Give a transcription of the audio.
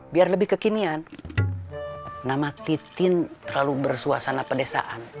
biar lebih kekinian nama titin terlalu bersuasana pedesaan